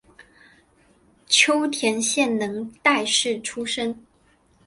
秋田县能代市出身。